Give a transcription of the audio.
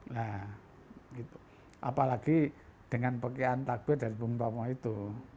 nah apalagi dengan pikiran takbir dari bumtama itu